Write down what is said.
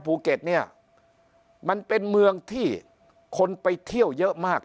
ภูเก็ตเนี่ยมันเป็นเมืองที่คนไปเที่ยวเยอะมาก